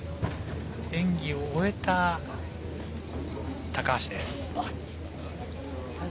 演技を終えた高橋です。